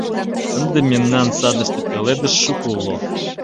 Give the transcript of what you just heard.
Ынде мемнан садыште пеледыш шуко уло.